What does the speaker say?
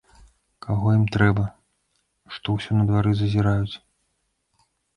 Каго ім трэба, што ўсё на двары зазіраюць?